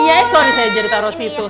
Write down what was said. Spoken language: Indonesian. eh sorry saya jadi taruh situ